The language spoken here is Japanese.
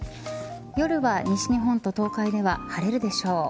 夜は西日本と東海では晴れるでしょう。